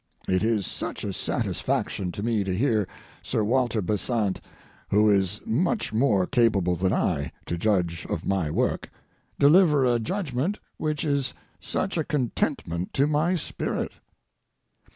It is such a satisfaction to me to hear Sir Walter Besant, who is much more capable than I to judge of my work, deliver a judgment which is such a contentment to my spirit.